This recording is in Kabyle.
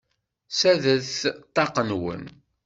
Ssadret ṭṭaq-nwen!